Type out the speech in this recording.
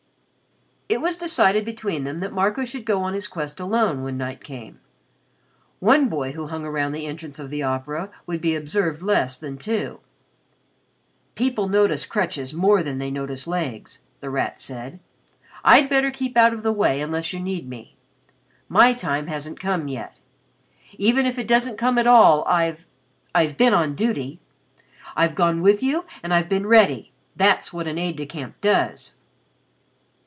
It was decided between them that Marco should go on his quest alone when night came. One boy who hung around the entrance of the Opera would be observed less than two. "People notice crutches more than they notice legs," The Rat said. "I'd better keep out of the way unless you need me. My time hasn't come yet. Even if it doesn't come at all I've I've been on duty. I've gone with you and I've been ready that's what an aide de camp does."